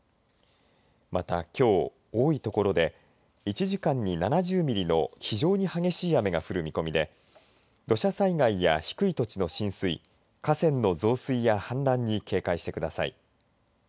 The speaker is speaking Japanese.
またきょう多い所で１時間に７０ミリの非常に激しい雨が降る見込みで土砂災害や低い土地の浸水河川の増水や氾濫に警戒してください。